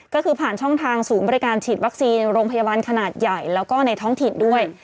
ก็คือผ่านช่องทางศูนย์บริการฉีดวัคซีนโรงพยาบาลขนาดใหญ่แล้วก็ในท้องถิ่นด้วย